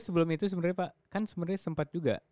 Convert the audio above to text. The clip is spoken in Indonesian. sebelum itu sebenarnya pak kan sebenarnya sempat juga